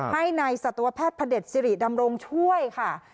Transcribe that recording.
ให้ในสัตวแพทย์พระเด็จสิริดำรงช่วยค่ะ